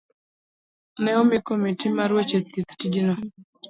ne omi komiti mar weche thieth tijno.